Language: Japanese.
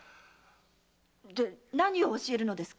で何を教えるのですか？